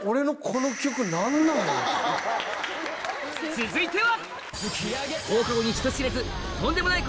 続いては！